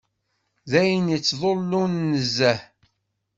D ayen yettḍulen nezzeh